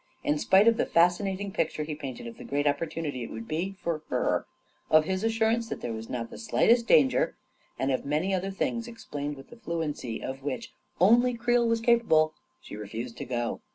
In spite of the fascinating picture he painted of the great opportunity it would be for her, of his assurance that there was not the slightest danger, and of many other things explained with the fluency of which only Creel was capable, she refused to go.